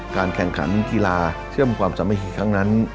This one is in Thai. การแข่งขันกีฬาเชื่อมความสามัคคีครั้งนั้น